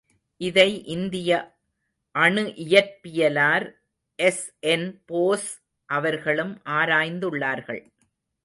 இதை இந்திய அணுஇயற்பியலார் எஸ்.என்.போஸ் அவர்களும் ஆராய்ந்துள்ளார்கள்.